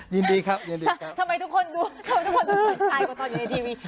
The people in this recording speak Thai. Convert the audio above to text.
ยินดีครับยินดีครับทำไมทุกคนดูทำไมทุกคนดูไกลกว่าตอนอยู่ในทีวี